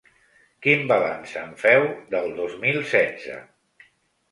Quin balanç en feu, del dos mil setze?